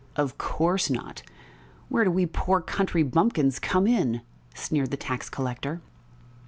"Of course not! Where do we poor country bumpkins come in!" sneered the tax collector.